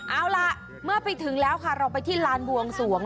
เอาล่ะเมื่อไปถึงแล้วค่ะเราไปที่ลานบวงสวง